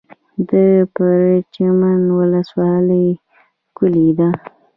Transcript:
د پرچمن ولسوالۍ ښکلې ده